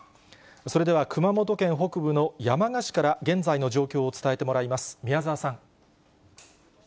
それでは、熊本県北部の山鹿市から、現在の状況を伝えてもらいます。